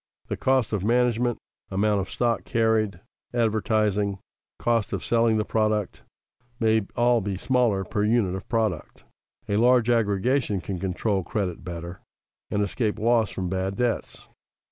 The cost of management, amount of stock carried, advertising, cost of selling the product, may all be smaller per unit of product. A large aggregation can control credit better and escape loss from bad debts.